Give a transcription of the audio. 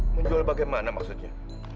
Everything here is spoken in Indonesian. menjual bagaimana maksudnya